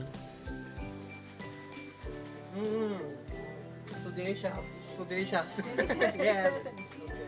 sangat enak sangat enak